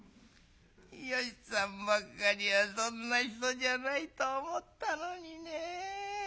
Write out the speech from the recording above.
芳さんばかりはそんな人じゃないと思ったのにねぇ」。